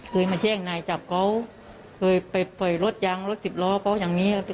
เคยมาแจ้งนายจับเขาเคยไปปล่อยรถยังรถสิบล้อเขาอย่างนี้